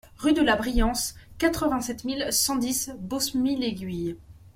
Rue de la Briance, quatre-vingt-sept mille cent dix Bosmie-l'Aiguille